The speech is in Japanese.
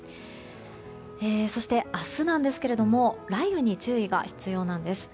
そして明日ですが雷雨に注意が必要なんです。